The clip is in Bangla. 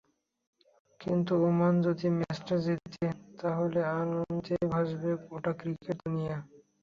কিন্তু ওমান যদি ম্যাচটা জেতে, তাহলে আনন্দে ভাসবে গোটা ক্রিকেট দুনিয়াই।